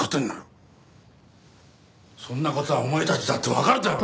そんな事はお前たちだってわかるだろう。